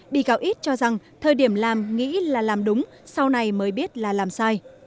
bị cáo ít cho rằng thời điểm làm nghĩ là làm đúng sau này mới biết là làm sai